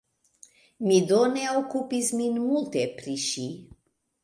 Mi do ne okupis min multe pri ŝi.